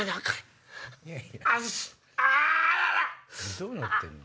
どうなってんの？